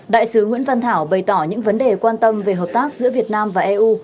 đại sứ nguyễn văn thảo bày tỏ những vấn đề quan tâm về hợp tác giữa việt nam và eu